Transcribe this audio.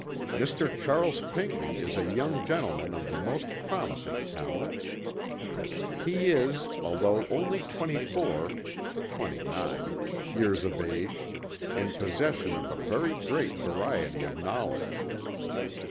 "Mr. Charles Pinckney is a young Gentleman of the most promising talents. He is, altho' only 24 y's of age, in possession of a very great variety of knowledge.